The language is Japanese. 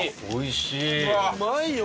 うまいよ！